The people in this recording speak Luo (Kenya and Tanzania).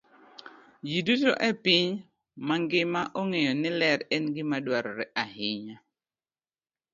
Ji duto e piny mangima ong'eyo ni ler en gima dwarore ahinya.